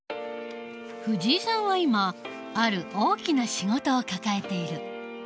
藤井さんは今ある大きな仕事を抱えている。